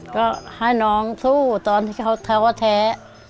ก็ให้น้องสู้ตอนที่เขาแท้ก็แท้